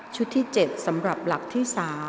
ที่๗สำหรับหลักที่๓